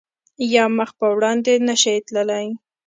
یا مخ په وړاندې نه شی تللی